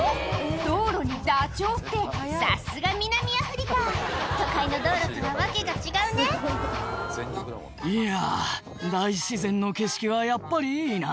道路にダチョウってさすが南アフリカ都会の道路とは訳が違うね「いや大自然の景色はやっぱりいいな」